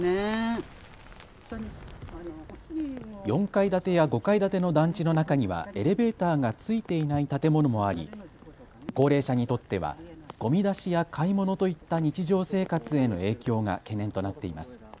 ４階建てや５階建ての団地の中にはエレベーターが付いていない建物もあり高齢者にとってはごみ出しや買い物といった日常生活への影響が懸念となっています。